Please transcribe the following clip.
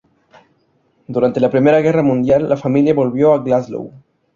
Durante la Primera Guerra Mundial, la familia volvió a Glasgow.